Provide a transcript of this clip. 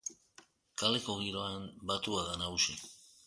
Kaleko giroan, batua da nagusi.